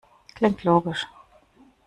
Klingt logisch.